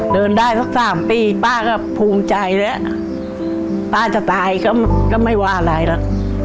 เดินได้สักสามปีป้าก็ภูมิใจแล้วป้าจะตายก็ไม่ว่าอะไรแล้ว